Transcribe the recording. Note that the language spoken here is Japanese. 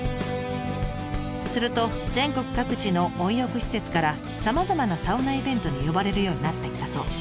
すると全国各地の温浴施設からさまざまなサウナイベントに呼ばれるようになっていったそう。